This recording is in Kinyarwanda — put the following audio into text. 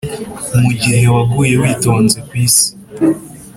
mugihe waguye witonze ku isi.